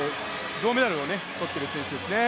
銅メダルを取っている選手ですね。